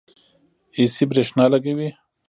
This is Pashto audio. ایسی برښنا لګوي